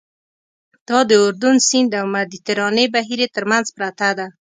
دا د اردن سیند او مدیترانې بحیرې تر منځ پرته ده.